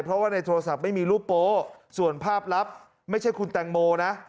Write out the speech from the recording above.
เพราะว่าในโทรศัพท์ไม่มีรูปโป๊ส่วนภาพลับไม่ใช่คุณแตงโมนะ